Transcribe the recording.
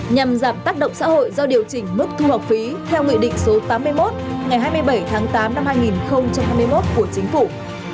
nhằm giảm tác động xã hội do điều chỉnh mức thu học phí theo nghị định số tám mươi một ngày hai mươi bảy tháng tám năm hai nghìn hai mươi một của chính phủ